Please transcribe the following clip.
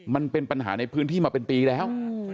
มันเป็นปัญหาในพื้นที่มาเป็นปีแล้ว